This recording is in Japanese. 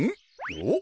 おっ？